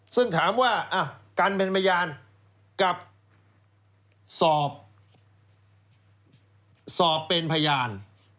ซึ่งถามว่าการเป็นพยานกับสอบเป็นพยาน